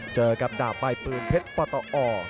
เจอกับดาบใบปืนเพชรปตอ